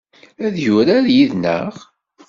Ad yurar yid-neɣ?